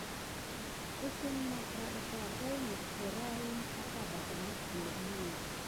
Əsseŋ makra ɗəfa pay nis kiraya wuna aka banamite kulu nani.